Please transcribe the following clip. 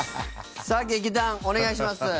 さあ劇団お願いします。